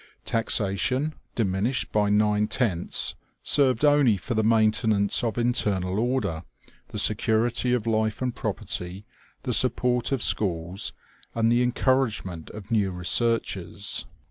Taxation, diminished by nine tenths, served only for the maintenance of internal order, the security of life and property, the support of schools, and the encouragement of new researches.